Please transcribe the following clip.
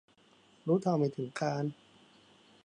รู้เท่าไม่ถึงการ